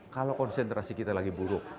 kalau konsentrasi kita lagi buruk